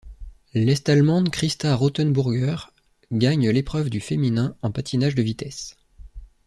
L'Est-allemande Christa Rothenburger gagne l'épreuve du féminin en patinage de vitesse.